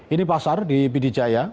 ini pasar di pdj